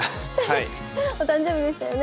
お誕生日でしたよね？